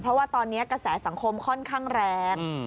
เพราะว่าตอนนี้กระแสสังคมค่อนข้างแรง